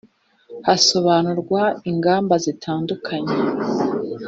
hasobanurwa ingamba zitandukanye